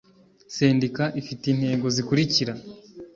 sendika ifite intego zikurikira